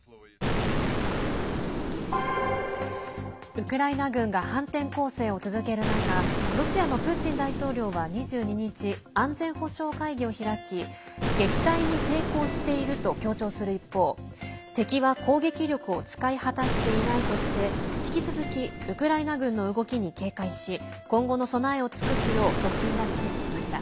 ウクライナ軍が反転攻勢を続ける中ロシアのプーチン大統領は２２日安全保障会議を開き撃退に成功していると強調する一方敵は攻撃力を使い果たしていないとして引き続きウクライナ軍の動きに警戒し今後の備えを尽くすよう側近らに指示しました。